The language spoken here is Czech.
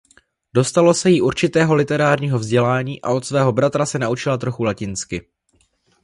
Dostalo se jí určitého literárního vzdělání a od svého bratra se naučila trochu latinsky.